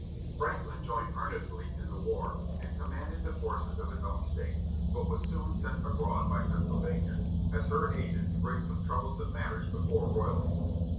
Franklin joined earnestly in the war, and commanded the forces in his own State, but was soon sent abroad by Pennsylvania, as her agent to bring some troublesome matters before royalty.